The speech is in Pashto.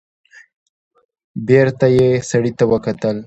بېرته يې سړي ته وکتل.